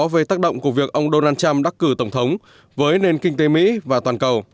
về tác động của việc ông donald trump đắc cử tổng thống với nền kinh tế mỹ và toàn cầu